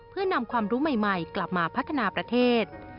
เพื่อนำความรู้ใหม่กลับมาพัฒนาประเทศ